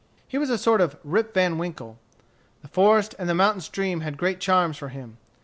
He was a sort of Rip Van Winkle. The forest and the mountain stream had great charms for him.